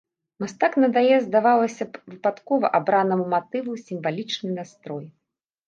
Мастак надае здавалася б выпадкова абранаму матыву сімвалічны настрой.